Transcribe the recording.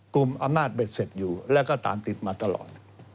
กลุ่มอำนาจเบ็ดเสร็จอยู่แล้วก็ตามติดมาตลอด